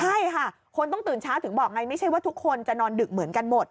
ใช่ค่ะคนต้องตื่นเช้าถึงบอกไงไม่ใช่ว่าทุกคนจะนอนดึกเหมือนกันหมด